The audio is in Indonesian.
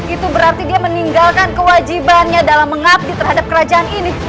itu berarti dia meninggalkan kewajibannya dalam mengabdi terhadap kerajaan ini